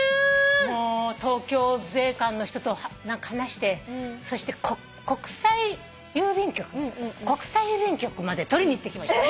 もう東京税関の人と何か話してそして国際郵便局まで取りに行ってきました。